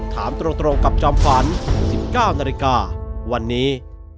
ถามตรงกับจอมฝัน๑๙นาฬิกาวันนี้